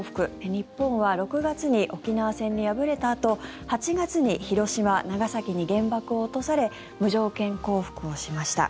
日本は６月に沖縄戦に敗れたあと８月に広島、長崎に原爆を落とされ無条件降伏をしました。